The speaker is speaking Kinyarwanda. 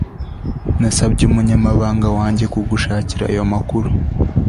Nasabye umunyamabanga wanjye kugushakira ayo makuru